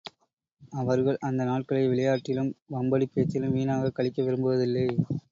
அவர்கள் அந்த நாட்களை விளையாட்டிலும், வம்படிப் பேச்சிலும் வீணாகக் கழிக்க விரும்புவதில்லை.